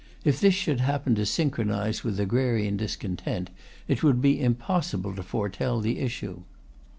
If this should happen to synchronize with agrarian discontent, it would be impossible to foretell the issue.